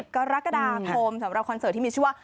กรกฎาคมสำหรับคอนเสิร์ตที่มีชื่อว่า